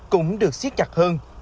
cũng được siết chặt hơn